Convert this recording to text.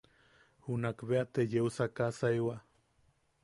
Junakbeate yeusakasaewa.